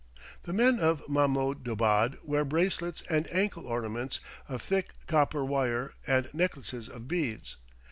The men of Mahmoudabad wear bracelets and ankle ornaments of thick copper wire, and necklaces of beads.